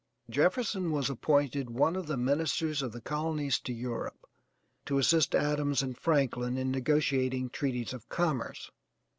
Jefferson was appointed one of the Ministers of the Colonies to Europe to assist Adams and Franklin in negotiating treaties of commerce.